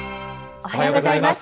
おはようございます。